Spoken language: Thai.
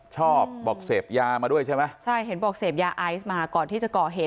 ชอบบอกเสพยามาด้วยใช่ไหมใช่เห็นบอกเสพยาไอซ์มาก่อนที่จะก่อเหตุ